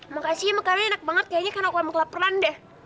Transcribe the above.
makasih ya makanannya enak banget kayaknya karena aku emang kelaperan deh